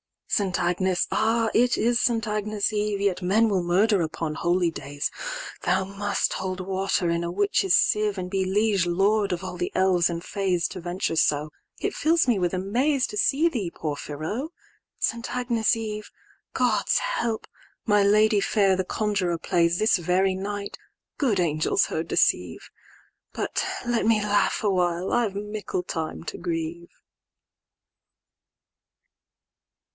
XIV."St. Agnes! Ah! it is St. Agnes' Eve—"Yet men will murder upon holy days:"Thou must hold water in a witch's sieve,"And be liege lord of all the Elves and Fays,"To venture so: it fills me with amaze"To see thee, Porphyro!—St. Agnes' Eve!"God's help! my lady fair the conjuror plays"This very night: good angels her deceive!"But let me laugh awhile, I've mickle time to grieve."